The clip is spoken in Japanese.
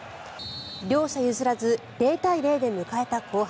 両者譲らず０対０で迎えた後半。